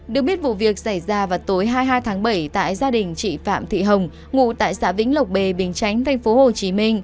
được biết vụ việc xảy ra vào tối hai mươi hai tháng bảy tại gia đình chị phạm thị hồng ngụ tại xã vĩnh lộc b bình chánh tp hcm